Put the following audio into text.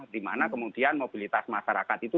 dimana kemudian mobilitas masyarakat itu